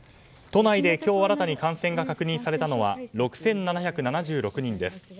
都内で今日新たに感染が確認されたのは６７７６人です。